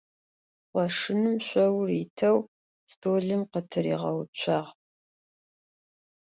Khoşşınım şsour yiteu stolım khıtıriğeutsuağ.